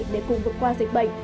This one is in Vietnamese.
để cùng vượt qua dịch bệnh